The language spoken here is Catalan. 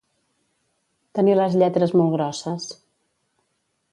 Tenir les lletres molt grosses.